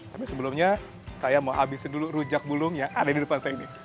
tapi sebelumnya saya mau habisin dulu rujak bulung yang ada di depan saya ini